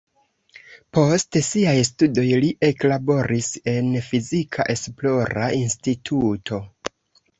Post siaj studoj li eklaboris en fizika esplora instituto.